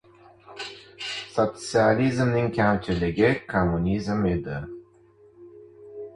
Sotsializmning kamchiligi — kommunizm edi.